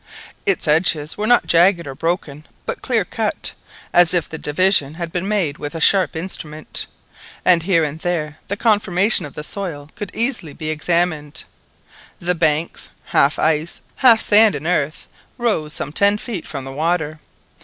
Its edges were not jagged or broken, but clear cut, as if the division had been made with a sharp instrument, and here and there the conformation of the soil could be easily examined. The banks half ice, half sand and earth rose some ten feet from the water.